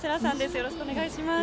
よろしくお願いします。